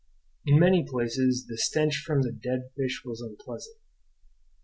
In many places the stench from the dead fish was unpleasant.